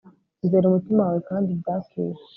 izere umutima wawe kandi ubyakire